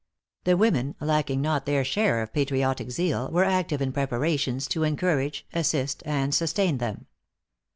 The women, lacking not their share of patriotic zeal, were active in preparations to encourage, assist, and sustain them.